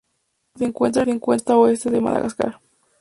Se encuentra en la costa oeste de Madagascar.